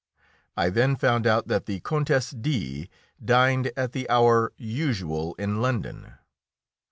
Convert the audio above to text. I then found out that the Countess D dined at the hour usual in London.